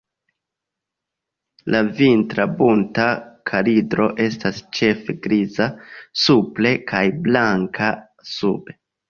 La vintra Bunta kalidro estas ĉefe griza supre kaj blanka sube.